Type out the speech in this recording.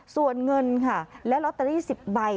ส่วนเงินค่ะและลอตเตอรี่๑๐ใบ